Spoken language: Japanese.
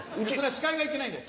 司会がいけないんだよ